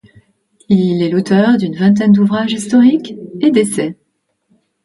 Il est l'auteur d'une vingtaine d'ouvrages historiques et d'essais.